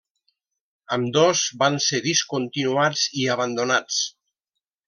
Ambdós van ser discontinuats i abandonats.